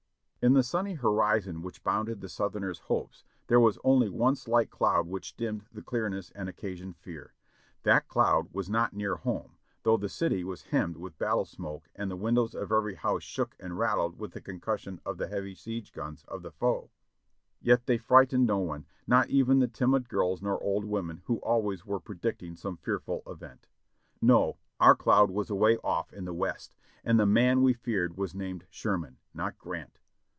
In the sunny horizon which bounded the Southerners' hopes there was only one slight cloud which dimmed the clearness and occasioned fear. That cloud was not near home, though the city was hemmed with battle smoke and the windows of every house shook and rattled with the concussion of the heav}^ siege guns of the foe ; yet they frightened no one — not even the timid girls nor old women, who always were predicting some fearful event. No! our cloud was away off in the West, and the man we feared was named Sherman, not Grant.